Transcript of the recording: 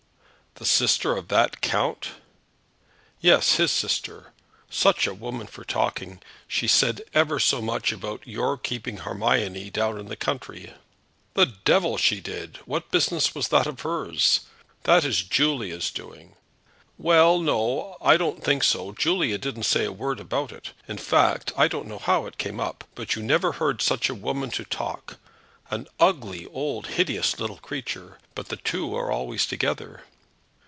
"The sister of that count?" "Yes; his sister. Such a woman for talking! She said ever so much about your keeping Hermione down in the country." "The devil she did. What business was that of hers? That is Julia's doing." "Well; no, I don't think so. Julia didn't say a word about it. In fact, I don't know how it came up. But you never heard such a woman to talk, an ugly, old, hideous little creature! But the two are always together."